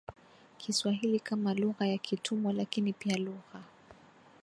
Kiswahili kama lugha ya kitumwa lakini pia lugha